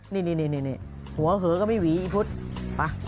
นี่หัวเหอก็ไม่หวีอีพุทธไป